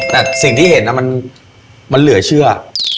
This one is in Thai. แต่สิ่งที่เห็นมันเหลือเชื่อ